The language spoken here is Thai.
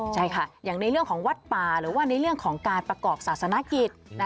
ใช่ค่ะอย่างในเรื่องของวัดป่าหรือว่าในเรื่องของการประกอบศาสนกิจ